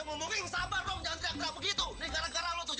perlu he mbak ngilang dimana urusan ya nah